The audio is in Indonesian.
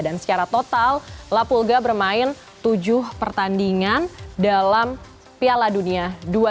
dan secara total la pulga bermain tujuh pertandingan dalam piala dunia dua ribu dua puluh dua